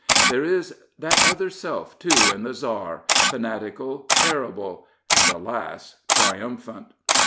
There is that other self, too, in the Tsar, fanatical, terrible — ^and, alas, triumphant.